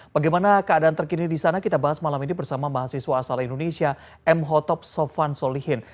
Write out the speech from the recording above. bagaimana keadaan terkini di sana kita bahas malam ini bersama mahasiswa asal indonesia m hotob sofan solihin